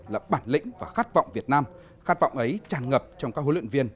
là bản lĩnh và khát vọng việt nam khát vọng ấy tràn ngập trong các huấn luyện viên